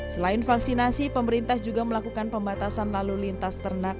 selain vaksinasi pemerintah juga melakukan pembatasan lalu lintas ternak